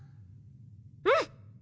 うん！